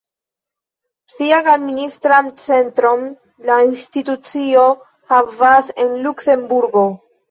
Sian administran centron la institucio havas en Luksemburgo.